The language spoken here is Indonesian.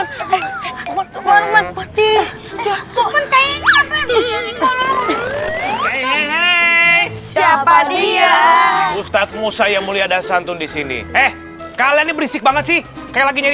hei siapa dia ustadz musayyamuli adasantun disini eh kalian berisik banget sih kayak lagi nyari